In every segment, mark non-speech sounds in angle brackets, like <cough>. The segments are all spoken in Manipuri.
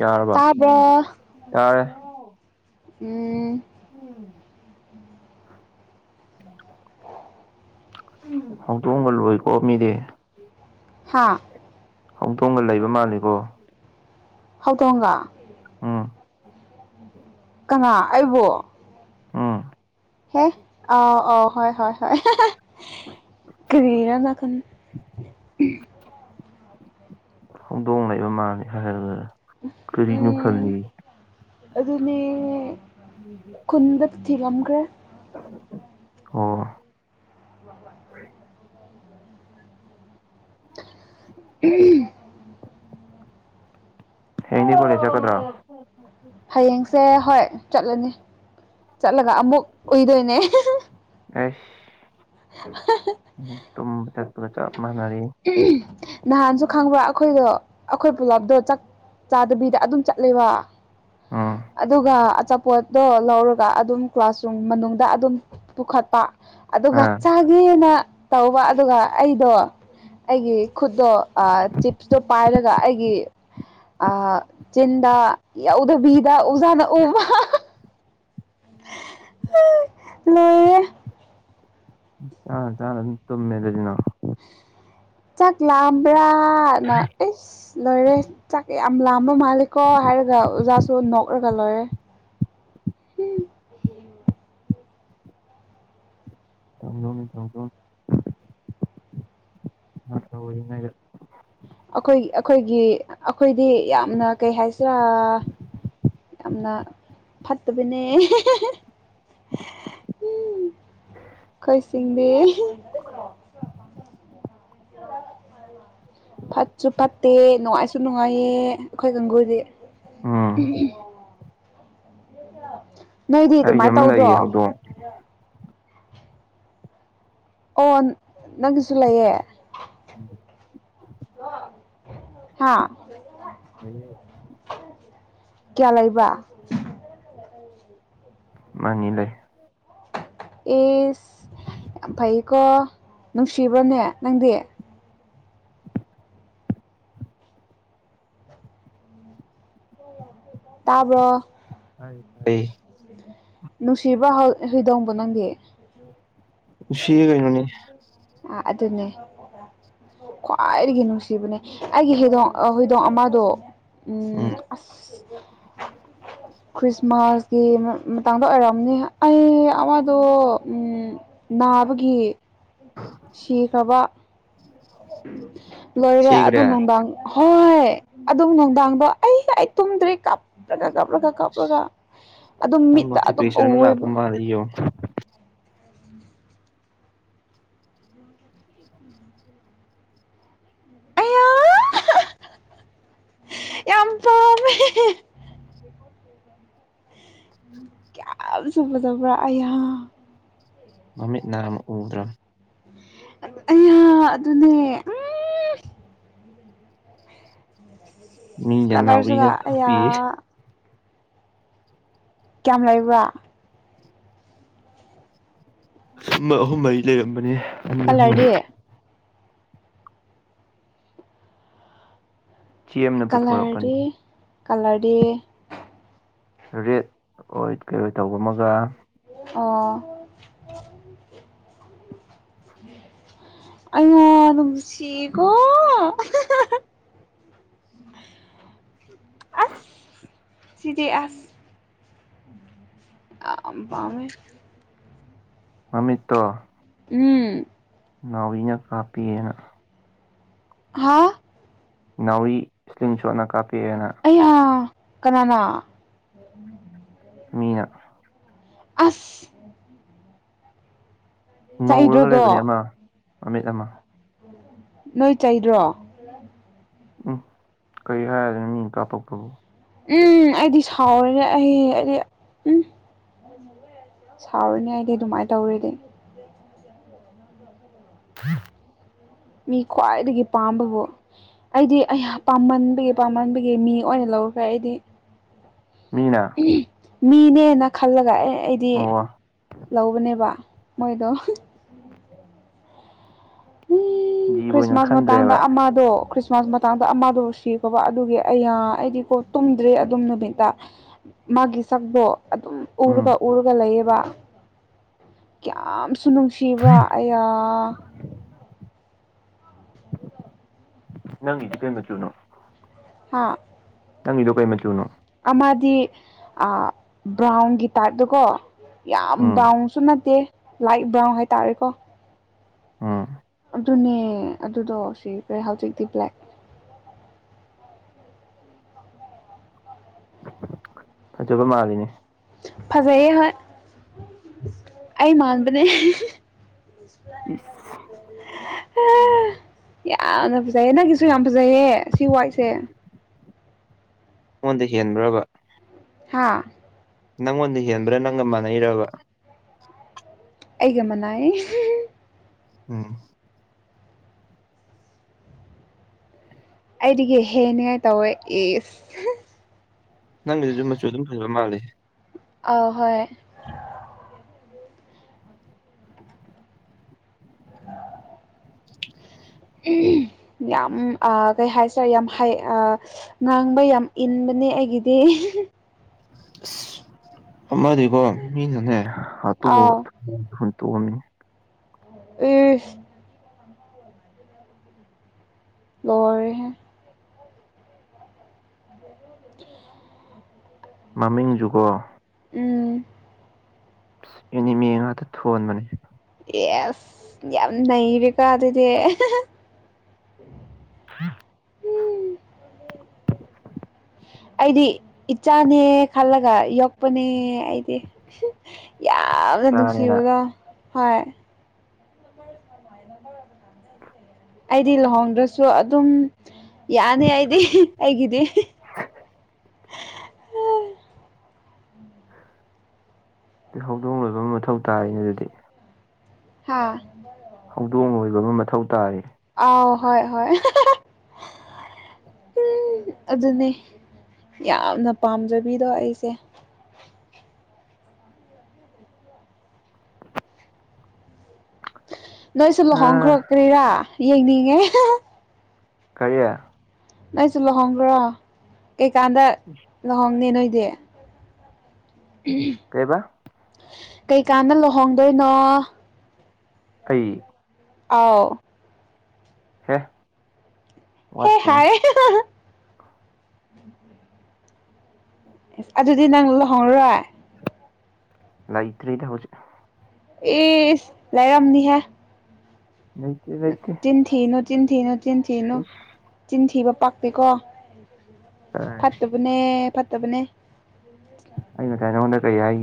ꯌꯥꯔꯕ ꯇꯥꯕ꯭ꯔꯣ ꯌꯥꯔꯦ ꯎꯝ ꯍꯧꯗꯣꯡꯕ ꯂꯣꯏꯀꯣ ꯃꯤꯗꯤ ꯍꯥꯥ ꯍꯧꯣꯡꯇꯣꯡꯒ ꯂꯩꯕ ꯃꯥꯜꯂꯤꯀꯣ ꯍꯧꯗꯣꯒ ꯑꯥ ꯀꯅꯥ ꯑꯩꯕꯣ ꯎꯝ ꯍꯦ ꯑ ꯑ ꯍ ꯍ ꯍ ꯀꯔ ꯉ ꯈ ꯍꯧꯗꯣꯡ ꯂꯩꯕ ꯃꯥꯅꯤ ꯍꯥꯏꯔ ꯎꯝ ꯑꯗꯨꯅꯦ ꯎꯝ ꯈꯨꯟꯗ ꯊꯤꯔꯝꯈ꯭ꯔꯦ ꯑꯣ ꯋꯥꯕ ꯎꯝ ꯍꯦꯡꯅꯦ ꯀꯣꯟꯅꯦ ꯆꯠꯀꯗ꯭ꯔꯣ ꯍꯌꯦꯡꯁꯦ ꯍꯣꯏ ꯆꯠꯂꯅꯤ ꯆꯠꯂꯒ ꯑꯃꯨꯛ ꯎꯏꯗꯣꯏꯅꯦ ꯑꯦꯁ ꯇ ꯆꯠꯄ ꯆꯥꯞ ꯃꯥꯅꯔꯤ ꯅꯍꯥꯟꯁꯨ ꯈꯪꯕ꯭ꯔ ꯑꯩꯈꯣꯏꯗꯣ ꯑꯩꯈꯣꯏ ꯄꯨꯂꯞꯗꯣ ꯆ ꯆꯥꯗꯕꯤꯗ ꯑꯗꯨꯝ ꯆꯠꯂꯦꯕ ꯎꯝ ꯑꯗꯨꯒ ꯄꯣꯠꯇꯣ ꯂꯧꯔꯒ ꯑꯗꯨꯝ ꯀ꯭ꯂꯥꯁꯔꯨꯝ ꯃꯅꯨꯡꯗ ꯑꯗꯨꯝ ꯄꯨꯈꯠꯄ ꯑꯗꯨꯒ ꯑꯥ ꯅ ꯇꯧꯕ ꯑꯗꯨꯒ ꯑꯩꯗꯣ ꯑꯩꯒꯤ ꯈꯨꯠꯇꯣ ꯆꯤꯞꯁꯇꯣ ꯄꯥꯏꯔꯒ ꯑꯩꯒꯤ ꯑ ꯆꯤꯟꯗ ꯌꯥ ꯑꯣꯗ ꯕꯤꯗ ꯑꯣꯖꯥꯅ ꯎꯕ ꯂꯣꯏ ꯆ ꯆꯥꯟ ꯇꯣꯃꯦ ꯂꯩꯗꯤꯅꯣ ꯆꯥꯛ ꯂꯥꯑꯝꯕ꯭ꯔꯥꯅ ꯑꯦꯁ ꯂꯣꯏꯔꯦ ꯆꯥꯛ ꯌꯥꯝ ꯂꯝꯕ ꯃꯥꯜꯂꯦꯀꯣ ꯍꯥꯏꯔꯒ ꯑꯣꯖꯥꯁꯨ ꯅꯣꯛꯔꯒ ꯂꯣꯏꯔꯦ ꯑꯣꯏ ꯑꯩꯈꯣꯏ ꯑꯩꯈꯣꯏꯒꯤ ꯑꯩꯈꯣꯏꯗꯤ ꯌꯥꯝꯅ ꯀꯩ ꯍꯥꯏꯁꯤꯔꯥ ꯌꯥꯝꯅ ꯐꯠꯇꯕꯅꯦ ꯎꯝ ꯀꯣꯏꯁꯤꯡꯗꯔ <inaudible> ꯑ ꯍ ꯐꯠꯁꯨ ꯐꯠꯇꯦ ꯅꯨꯡꯉꯥꯏꯁꯨ ꯅꯨꯡꯉꯥꯏꯌꯦ ꯑꯩꯈꯣꯏ ꯀꯥꯡꯒꯨꯗꯤ ꯎꯝ ꯅꯣꯏꯗꯤ ꯑꯩꯒꯤ ꯑꯗꯨꯃꯥꯏꯅ ꯑꯃ ꯇꯧꯗ꯭ꯔꯣ ꯂꯩꯌꯦ ꯍꯧꯗꯣꯡ ꯑꯣ ꯅꯪꯒꯤꯁꯨ ꯂꯩꯌꯦ ꯍꯥꯥ ꯂꯩꯌꯦ ꯀꯌꯥ ꯂꯩꯕ ꯃꯥꯅꯤ ꯂꯩ ꯑꯦꯁ ꯌꯥꯝ ꯐꯩꯀꯣ ꯅꯨꯡꯁꯤꯕ꯭ꯔꯣꯅꯦ ꯅꯪꯗꯤ ꯇꯥꯕ꯭ꯔꯣ ꯇꯥꯌꯦ ꯅꯨꯡꯁꯤꯕ ꯍꯨꯗꯣꯡꯗꯣ ꯅꯪꯒꯤ ꯅꯨꯡꯁꯤꯌꯦ ꯀꯩꯅꯣꯅꯦ ꯑ ꯑꯗꯨꯅꯦ ꯈ꯭ꯋꯥꯏꯗꯒꯤ ꯅꯨꯡꯁꯤꯕꯅꯦ ꯑꯩꯒꯤ ꯍꯩꯗꯣꯡ ꯍꯨꯏꯗꯣꯡ ꯑꯃꯗꯣ ꯎ ꯎꯝ ꯑ ꯈ꯭ꯔꯤꯁꯃꯥꯁ ꯃꯇꯥꯡꯗ ꯑꯣꯏꯔꯛꯑꯝꯅꯤ ꯑꯩ ꯑꯋꯥꯗꯣ ꯅꯥꯕꯒꯤ ꯁꯤꯈ꯭ꯔꯕ ꯂꯣꯏꯔꯦ ꯁꯤꯈ꯭ꯔꯦ ꯑꯗꯨ ꯅꯨꯡꯗꯥꯡ ꯍꯣꯏ ꯑꯗꯨꯝ ꯅꯨꯡꯗꯥꯡꯗꯣ ꯑꯩ ꯑꯩ ꯇꯨꯝꯗ꯭ꯔꯦ ꯀꯥꯞꯇ꯭ꯔꯒ ꯀꯥꯞꯂꯒ ꯀꯥꯞꯂꯒ ꯑꯗꯨꯝ ꯃꯤꯠꯇ ꯑꯗꯨꯝ ꯎꯋꯦꯕ ꯑꯌꯣ ꯌꯥꯝ ꯇꯥꯎꯃꯤ ꯀꯌꯥꯝ ꯆꯨꯒꯗꯕ꯭ꯔꯥ ꯑꯩꯍꯥꯛ ꯃꯃꯤꯠ ꯅꯥ ꯑꯃ ꯎꯗ꯭ꯔꯥ ꯑꯩ ꯌꯥ ꯑꯗꯨꯅꯦ ꯎꯝ ꯏꯁ ꯃꯤꯅ ꯀꯂꯔꯁꯨꯒ ꯅꯥꯎꯔꯤꯅ ꯌꯥ ꯀꯥꯞꯄꯤ ꯀꯌꯥꯝ ꯂꯩꯕ꯭ꯔꯥ ꯑꯃ ꯑꯍꯨꯝ ꯃꯔꯤ ꯂꯩꯔꯝꯕꯅꯦ ꯑꯅꯤ ꯑꯍꯨꯝ ꯀꯂꯔꯗꯤ ꯆꯦꯝꯅ ꯄꯨꯊꯣꯔꯛꯄꯅꯤ ꯀꯂꯔꯗꯤ ꯀꯂꯔꯗꯤ ꯔꯦꯠ ꯑꯣꯏ ꯀꯩ ꯑꯣꯏ ꯇꯧꯕ ꯑꯃꯒ ꯑꯣ ꯑꯩꯉ‌ꯣ ꯅꯨꯡꯁꯤꯀꯣ ꯑꯁ ꯁꯤꯗꯤ ꯑꯁ ꯌꯥꯝ ꯄꯥꯝꯃꯦ ꯃꯃꯤꯠꯇ‌ꯣ ꯎꯝ ꯅꯥꯎꯔꯤꯅ ꯀꯥꯞꯄꯛꯑ‌ꯦꯅ ꯍꯥꯥ ꯅꯥꯎꯔꯤ ꯏꯁꯂꯤꯡ ꯁꯣꯠꯅ ꯀꯥꯞꯄꯛꯑꯦꯅ ꯑꯩꯌꯥ ꯀꯅꯥꯅ ꯃꯤꯅ ꯑꯁ ꯉꯧꯔꯒ ꯂꯩꯕꯅꯦ ꯆꯩꯗ꯭ꯔꯣꯗꯣ ꯑꯃ ꯃꯃꯤꯠ ꯑꯃ ꯅꯣꯏ ꯆꯩꯗ꯭ꯔꯣ ꯎꯝ ꯀꯔꯤ ꯍꯥꯏꯔꯨꯗ‌ꯣꯏꯅꯣ ꯃꯤ ꯀꯥꯞꯄꯛꯄꯕꯨ ꯎꯝ ꯑꯩꯗꯤ ꯁꯥꯎꯔꯤꯅ‌ꯦ ꯑꯩ ꯑꯩ ꯎꯝ <unintelligible> ꯁꯥꯎꯔꯅꯤ ꯑꯩꯗꯤ ꯑꯗꯨꯃꯥꯏꯅ ꯇꯧꯔꯗꯤ <unintelligible> <unintelligible> ꯃꯤ ꯈꯋꯥꯏꯗꯒꯤ ꯄꯥꯝꯕꯕꯨ ꯑꯩꯗꯤ ꯑꯩꯌꯥ ꯄꯥꯝꯃꯟꯕꯒꯤ ꯄꯥꯝꯃꯟꯕꯒꯤ ꯃꯤ ꯑꯣꯏꯅ ꯂꯧꯈꯔ‌ꯦ ꯑꯩꯗꯤ ꯃꯤꯅ ꯃꯤꯅꯦꯅ ꯈꯜꯂꯒ ꯑꯦ ꯑꯩꯗꯤ ꯑꯣ ꯂꯧꯕꯅꯦꯕ ꯃꯣꯏꯗꯣ ꯎꯝ ꯖꯤꯕ ꯑꯣꯏꯅ ꯈ꯭ꯔꯤꯁꯃꯥꯁ ꯃꯇꯥꯡꯗ ꯈꯟꯗ꯭ꯔꯦꯕ ꯑꯃꯗꯣ ꯃꯇꯥꯡꯗ ꯑꯃꯗ‌ꯣ ꯁꯤꯈꯔꯕ ꯑꯗꯨꯒꯤ ꯑꯩꯌꯥ ꯑꯩꯗꯤꯀꯣ ꯇꯨꯝꯗ꯭ꯔꯦ ꯑꯗꯨꯝ ꯅꯨꯃꯤꯠꯇ ꯃꯥꯒꯤ ꯆꯥꯛꯗ‌ꯣ ꯑꯗꯨꯝ ꯎꯝ ꯎꯔꯒ ꯎꯔꯒ ꯂꯩꯌꯦꯕ ꯀꯌꯥꯝꯁꯨ ꯅꯨꯡꯁꯤ ꯅꯨꯡꯁꯤꯕꯔ ꯑꯌꯥ ꯅꯪꯒꯤꯗꯤ ꯀꯩ ꯃꯆꯨꯅꯣ ꯍꯥꯥ ꯅꯪꯒꯤꯗꯣ ꯀꯩ ꯃꯆꯨꯅꯣ ꯑꯃꯗꯤ ꯑꯥ ꯕ꯭ꯔꯥꯎꯟꯒꯤ ꯇꯥꯏꯞꯇꯀꯣ ꯌꯥꯝ ꯎꯝ ꯕ꯭ꯔꯥꯎꯟ ꯁꯨ ꯅꯠꯇꯦ ꯂꯥꯏꯠ ꯕ꯭ꯔꯥꯎꯟ ꯍꯥꯏꯇꯥꯔꯦꯀꯣ ꯑꯥ ꯑꯗꯨꯅꯦ ꯑꯗꯨꯗꯣ ꯁꯤꯈꯔ‌ꯦ ꯍꯧꯖꯤꯛꯇꯤ ꯕ꯭ꯂꯦꯛ ꯐꯖꯕ ꯃꯥꯜꯂꯤꯅꯦ ꯐꯖꯩꯌꯦ ꯍꯣꯏ ꯑꯩ ꯃꯥꯟꯕꯅꯦ <unintelligible> <unintelligible> ꯌꯥꯝꯅ ꯐꯖꯩꯌꯦ ꯅꯪꯒꯤꯁꯨ ꯌꯥꯝ ꯐꯖꯩꯌ‌ꯦ ꯁꯤ ꯋꯥꯏꯁꯦ ꯑꯩꯉꯣꯟꯗꯩ ꯍꯦꯟꯕ꯭ꯔꯕ ꯍꯥꯥ ꯅꯪꯉꯣꯟꯗ ꯍꯦꯟꯕ꯭ꯔꯥ ꯅꯪꯒ ꯃꯥꯟꯅꯩꯔꯕ ꯑꯩꯒ ꯃꯅꯥꯏ ꯎꯝ ꯑꯩꯗꯒꯤ ꯍꯦꯅꯤꯡꯉꯥꯏ ꯇꯧꯋꯦ ꯑꯦꯁ ꯅꯪꯒꯤꯗꯤꯁꯨꯨꯝ ꯃꯆꯨ ꯑꯗꯨꯝ ꯐꯖꯕ ꯃꯥꯜꯂꯦ ꯑ ꯍꯣꯏ ꯎ ꯌꯥꯝ ꯀꯩ ꯍꯥꯏꯁꯔꯦ ꯌꯥꯝ ꯍꯩ ꯉꯥꯡꯕ ꯌꯥꯝ ꯏꯟꯕꯅꯦ ꯑꯩꯒꯤꯗꯤ ꯑꯁ ꯑꯃꯗꯤꯀꯣ ꯃꯤꯅꯅꯦ ꯍꯥꯇꯨ ꯍꯟ ꯇꯣꯡꯅꯤ ꯑꯦ ꯂꯔ ꯃꯃꯤꯡ ꯖꯨꯒꯣ ꯎꯝ ꯑꯦꯅꯤꯃꯤ ꯉꯥꯛꯇ ꯊꯣꯟꯕꯅꯦ ꯑꯦꯁ ꯌꯥꯝ ꯅꯩꯔꯀꯣ ꯑꯗꯨꯗꯤ ꯑ ꯑꯩꯗꯤ ꯏꯆꯥꯅꯦ ꯈꯜꯂꯒ ꯌꯣꯛꯄꯅꯦ ꯑꯩꯗꯤ ꯌꯥꯝꯒ ꯏꯆꯥꯅꯦꯅ ꯅꯨꯡꯁꯤꯕꯗꯣ ꯍꯣꯏ ꯑꯩꯗꯤ ꯂꯨꯍꯣꯡꯗ꯭ꯔꯁꯨ ꯑꯗꯨꯝ ꯌꯥꯅꯤ ꯑꯩꯗꯤ ꯑꯩꯒꯤꯗꯤ ꯍꯧꯗꯣꯡ ꯂꯣꯏꯕ ꯑꯃ ꯃꯊꯧ ꯇꯥꯏꯅꯦ ꯑꯗꯨꯗꯤ ꯍꯥꯥ ꯍꯧꯗꯣꯡ ꯑꯣꯏꯕ ꯑꯃ ꯃꯊꯧ ꯇꯥꯔ ꯑꯥꯎ ꯍꯣꯏ ꯍꯣꯏ ꯎꯝ ꯑꯗꯨꯅꯦ ꯌꯥꯝꯅ ꯄꯥꯝꯖꯕꯤꯗꯣ ꯑꯩꯁꯦ ꯅꯣꯏꯁꯨ ꯑ ꯂꯨꯍꯣꯡꯈ꯭ꯔꯛꯀ꯭ꯔꯤꯔꯥ ꯌꯦꯡꯅꯤꯡꯉꯦ ꯀꯔꯤꯌꯥ ꯅꯪꯁꯨ ꯂꯨꯍꯣꯡꯈ꯭ꯔꯣ ꯀꯩꯀꯥꯟꯗ ꯎ ꯂꯨꯍꯣꯡꯅꯦ ꯅꯣꯏꯗꯤ ꯎ ꯀꯩꯕꯥ ꯀꯩꯀꯥꯟꯅ ꯂꯨꯍꯣꯡꯗꯣꯏꯅꯣ ꯑꯩ ꯑꯥꯎ ꯍꯦ ꯍꯦ ꯋꯥꯠꯈꯤꯅꯤ ꯍꯥꯏ ꯑꯦꯁ ꯑꯗꯨꯗꯤ ꯅꯪ ꯂꯨꯍꯧꯔꯣꯏ ꯂ ꯏꯇ ꯏꯗ ꯍꯧ ꯎꯆꯦ ꯑꯦꯁ ꯂꯩꯥꯏꯔꯝꯅꯤꯍꯦ ꯂꯩꯇꯦ ꯂꯩꯇꯦ ꯆꯤꯟꯊꯅꯨ ꯆꯤꯟꯊꯤꯅꯨ ꯆꯤꯟꯊꯦꯅꯨ ꯆꯤꯟꯊꯤꯕ ꯄꯥꯛꯇꯦꯀꯣ ꯀꯥꯏ ꯐꯠꯇꯕꯅꯦ ꯐꯠꯇꯕꯅꯦ ꯑꯩꯅ ꯀꯥꯏ ꯅꯪꯉꯣꯟꯗ ꯀꯩ ꯍꯥꯏ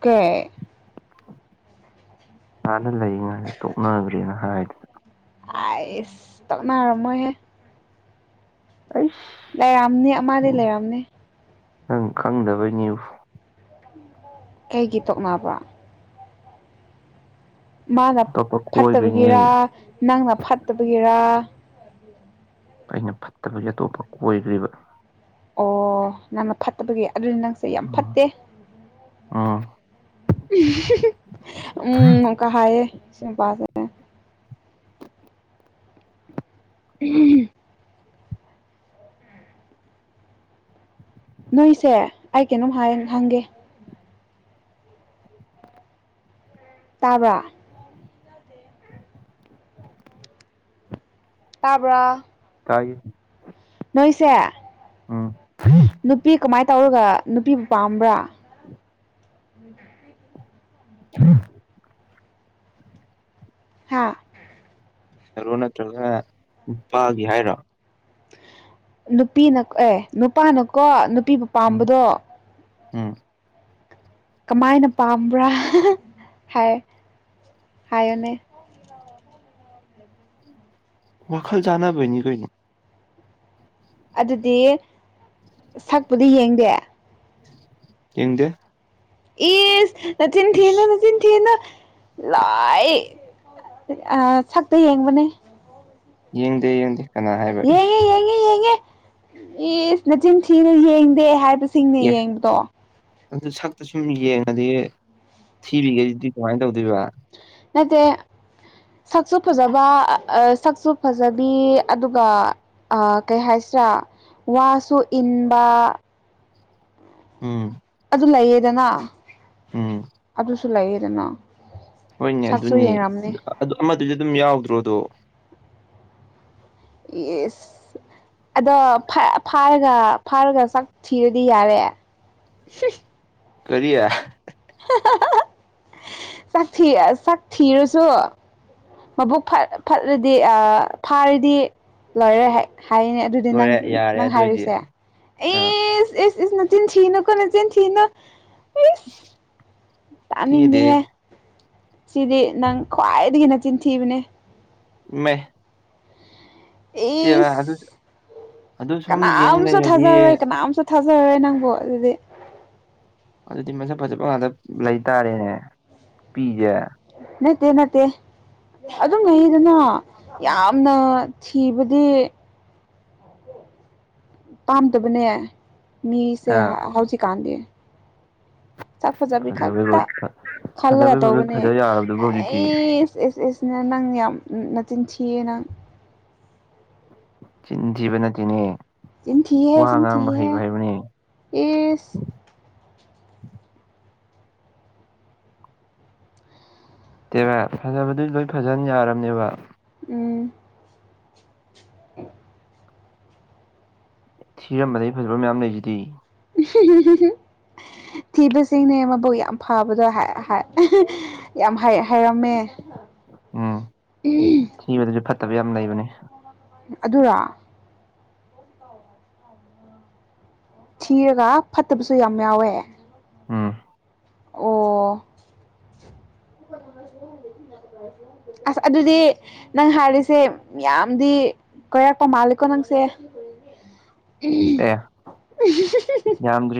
ꯀꯦ ꯍꯥꯟꯅ ꯂꯩꯔꯤꯉꯥꯏꯗ ꯇꯣꯛꯅꯈ꯭ꯔꯦꯅ ꯍꯥꯏꯗꯤ ꯑꯁ ꯇꯧꯅꯔꯣ ꯃꯣꯏꯍꯦ ꯑꯩ ꯂꯩꯔꯝꯅꯤ ꯑꯃꯗꯤ ꯂꯩꯔꯝꯅꯤ ꯅꯪ ꯈꯪꯗꯕꯩꯅꯤ ꯀꯩꯒꯤ ꯇꯣꯛꯅꯕ꯭ꯔꯥ ꯃꯥꯅ ꯑꯇꯣꯞꯄ ꯐꯠꯇꯕꯒꯤꯔ ꯀꯣꯏꯗꯣꯏꯅꯦ ꯅꯪꯅ ꯐꯠꯇꯕꯒꯤꯔ ꯑꯩꯅ ꯐꯠꯇꯕꯒꯤ ꯑꯇꯣꯞꯄ ꯀꯣꯏꯈ꯭ꯔꯤꯕ ꯑꯣ ꯅꯪꯅ ꯐꯠꯇꯕꯒꯤ ꯑꯗꯨꯗꯤ ꯅꯪꯁꯦ ꯌꯥꯝ ꯎꯝ ꯐꯠꯇꯦ ꯎꯝ ꯎꯝ ꯑꯃꯨꯛꯒ ꯍꯥꯢꯌꯦ ꯁꯤ ꯅꯨꯄꯥꯁꯦ ꯎꯝ ꯅꯣꯏꯁꯦ ꯑꯩ ꯀꯩꯅꯣꯝ ꯍꯪꯒꯦ ꯇꯥꯕ꯭ꯔꯥ ꯇꯥꯕ꯭ꯔꯥ ꯇꯥꯢꯌꯦ ꯅꯣꯏꯁꯦ ꯅꯨꯄꯤ ꯀꯃꯥꯏꯅ ꯇꯧꯔꯒ ꯅꯨꯄꯤꯕꯨ ꯄꯥꯝꯕ꯭ꯔꯥ ꯎ <unintelligible> ꯍꯝ <unintelligible> ꯍꯥꯥ ꯅꯠꯇ꯭ꯔꯒꯅ ꯅꯨꯄꯥꯒꯤ ꯍꯥꯏꯔꯣ ꯅꯨꯄꯤꯅ ꯑꯦ ꯅꯨꯄꯥꯅꯀꯣ ꯅꯨꯄꯤꯕꯨ ꯎꯝ ꯄꯥꯝꯕꯗꯣ ꯎꯝ ꯀꯃꯥꯏꯅ ꯄꯥꯝꯕ꯭ꯔꯥ ꯍꯥꯏ ꯍꯥꯏꯌꯨꯅꯦ ꯋꯥꯈꯜ ꯆꯥꯅꯕꯅꯤ ꯀꯩꯅꯣ ꯑꯗꯨꯗꯤ ꯁꯛꯄꯨꯗꯤ ꯌꯦꯡꯗꯦ ꯌꯦꯡꯗꯦ ꯏꯁ ꯅꯆꯤꯟ ꯊꯤꯅꯨ ꯏꯁ ꯅꯆꯤꯟ ꯊꯤꯅꯨ ꯂꯣꯢ ꯁꯛꯇ ꯌꯦꯡꯕꯅꯦ ꯌꯦꯡꯗꯦ ꯌꯦꯡꯗꯦ ꯀꯅꯥ ꯍꯥꯏꯕ ꯏꯁ ꯌꯦꯡꯉꯦ ꯌꯦꯡꯉꯦ ꯌꯦꯡꯉꯦ ꯏꯁ ꯃꯆꯤꯟ ꯊꯤꯅꯨ ꯌꯦꯡꯗꯦ ꯍꯥꯏꯕꯁꯦ ꯁꯤꯡꯅ ꯑꯦ ꯌꯦꯡꯕꯗꯣ ꯑꯗꯨ ꯁꯛꯇ ꯁꯨꯝ ꯌꯦꯡꯉꯗꯤ ꯊꯤꯔꯤꯒꯩꯗꯨꯗꯤ ꯀꯃꯥꯏꯅ ꯇꯧꯗꯣꯏꯕ ꯅꯠꯇꯦ ꯁꯛꯁꯨ ꯐꯖꯕ ꯁꯛꯁꯨ ꯐꯖꯕꯤ ꯑꯗꯨꯒ ꯀꯩ ꯍꯥꯏꯁꯤꯔꯥ ꯋꯥꯁꯨ ꯏꯟꯕ ꯎꯝ ꯑꯗꯨ ꯂꯩꯌꯦꯗꯅ ꯎꯝ ꯑꯗꯨꯁꯨ ꯂꯩꯌꯦꯗꯅ ꯍꯣꯏꯅꯦ ꯁꯛꯁꯨ ꯑꯗꯨꯅꯤ ꯌꯦꯡꯔꯝꯅꯤ ꯑꯗꯨ ꯑꯃꯗꯨꯗꯤ ꯑꯗꯨꯝ ꯌꯥꯎꯗ꯭ꯔꯣꯗꯣ ꯢꯁ ꯑꯗꯣ ꯐꯥꯔꯒ ꯐꯥꯔꯒ ꯁꯥꯛ ꯊꯤꯔꯗꯤ ꯌꯥꯔꯦ <inaudible> ꯀꯔꯤ <inaudible> ꯁꯥꯛ ꯁꯥꯛ ꯊꯤꯔꯁꯨ ꯃꯕꯨꯛ ꯐꯠꯂꯗꯤ ꯐꯥꯔꯗꯤ ꯂꯣꯏꯔꯦ ꯍꯥꯏꯅꯦ ꯑꯗꯨꯗꯤ ꯅꯪ ꯂꯣꯏꯔꯦ ꯌꯥꯔꯦ ꯅꯪ ꯑꯗꯨꯑꯣꯏꯗꯤ ꯍꯥꯏꯔꯤꯁꯦ ꯑꯥ ꯏꯁ ꯏꯁ ꯅꯆꯤꯟ ꯊꯤꯅꯀꯣ ꯅꯆꯤꯟ ꯊꯤꯅꯨ <unintelligible> ꯊꯤꯗꯦ ꯇꯥꯅꯤꯡꯗꯦꯍꯦ ꯁꯤꯗꯤ ꯅꯪ ꯈ꯭ꯋꯥꯏꯗꯒꯤ ꯅꯆꯤꯟꯊꯤꯕꯅꯦ ꯃꯦ ꯑꯗꯨ ꯏꯁ ꯑꯗꯨ ꯁꯨꯝ ꯌꯦꯡ ꯀꯅꯥꯝ ꯁꯨ ꯂꯩꯔꯗꯤ ꯊꯖꯔꯣꯢ ꯀꯅꯥꯝꯁꯨ ꯊꯥꯖꯔꯔꯣꯏ ꯅꯪꯕꯣ ꯑꯗꯨꯗꯤ ꯑꯗꯨꯗꯤ ꯃꯁꯛ ꯐꯖꯕ ꯉꯥꯛꯇ ꯂꯩꯇꯥꯔꯦꯅꯦ ꯅꯨꯄꯤꯁꯦ ꯅꯠꯇ ꯅꯠꯇ ꯑꯗꯨꯝ ꯂꯩꯗꯅ ꯌꯥꯝꯅ ꯊꯤꯕꯗꯤ ꯄꯥꯝꯗꯕꯅꯦ ꯃꯤꯁꯦ ꯑꯥ ꯍꯧꯖꯤꯛꯀꯥꯟꯗꯤ ꯆꯥꯛ ꯐꯖꯥꯕꯤ ꯐꯖꯕꯩꯕꯨ ꯈꯛꯇ ꯈꯜꯂꯒ ꯐꯖꯕꯩꯕꯨ ꯂꯣꯏ ꯇꯧꯕꯅꯦ ꯐꯖ ꯌꯥꯔꯕꯗꯨꯕꯨ ꯍꯧꯖꯤꯛꯇꯤ ꯑꯩ ꯑꯦꯁꯅ ꯅꯪ ꯌꯥꯝꯅ ꯆꯤꯟ ꯊꯤꯌꯦ ꯅꯪ ꯆꯤꯟ ꯊꯤꯕꯅ ꯅꯥꯠꯇꯦꯅꯦ ꯆꯤꯟꯊꯤ ꯍ ꯆꯤꯟꯊꯤ ꯑꯦ ꯇꯦꯕ ꯐꯖꯕꯗꯤ ꯂꯣꯏ ꯐꯖꯅ ꯌꯥꯔꯕꯝꯅꯦꯕ ꯎꯝ <unintelligible> ꯊꯤꯔꯝꯕꯗꯩ ꯐꯖꯕ ꯃꯌꯥꯝ ꯂꯩꯁꯤꯗꯤ ꯊꯤꯕꯁꯤꯡꯅꯦ ꯃꯕꯨꯛ ꯌꯥꯝ ꯐꯕꯗꯣ ꯌꯥꯝ ꯍꯥꯏꯔꯝꯃꯦ ꯎꯝ ꯊꯤꯕꯗꯁꯨ ꯐꯠꯇꯕ ꯌꯥꯝ ꯂꯩꯕꯅꯦ ꯑꯗꯨꯔ ꯊꯤꯔꯒ ꯐꯠꯇꯕꯁꯨ ꯌꯥꯝ ꯌꯥꯎꯋꯦ ꯎꯝ ꯑꯣ ꯑꯁ ꯑꯗꯨꯗꯤ ꯅꯪ ꯍꯥꯏꯔꯤꯁꯦ ꯌꯥꯝꯗꯤ ꯀꯔꯛꯄ ꯃꯥꯂꯀꯣ ꯅꯪꯁꯦ ꯑꯦ ꯌꯥꯝ